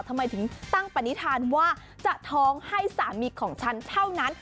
ทำไมถึงตั้งปณิธานว่าจะท้องให้สามีของฉันเท่านั้น